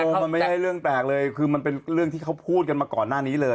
มันไม่ใช่เรื่องแปลกเลยคือมันเป็นเรื่องที่เขาพูดกันมาก่อนหน้านี้เลย